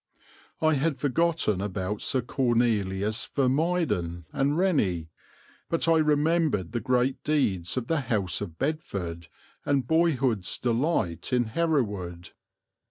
I had forgotten about Sir Cornelius Vermuyden and Rennie, but I remembered the great deeds of the House of Bedford and boyhood's delight in Hereward.